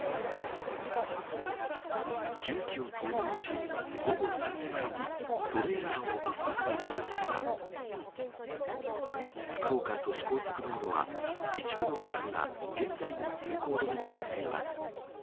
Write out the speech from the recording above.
重機を投入し、午後３時前にトレーラーを起こすことができましたが、福岡都市高速道路は、一部の区間が現在も通行止めとなっています。